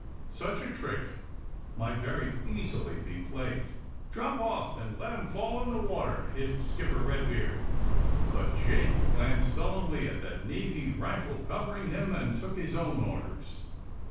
Such a trick might very easily be played. *'Drop off, and let 'em fall in the water," hissed Skipper Eedbeard. But Jake glanced sullenly at that Navy rifle covering him, and took his own orders.